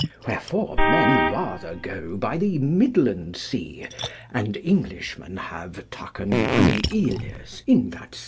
Wherefore men rather go by the Midland sea, and Englishmen have taken many Yles in that sea.